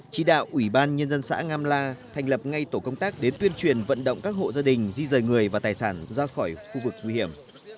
chỉ đạo ủy ban nhân dân xã ngam la thành lập ngay tổ công tác đến tuyên truyền vận động các hộ gia đình di rời người và tài sản ra khỏi khu vực nguy hiểm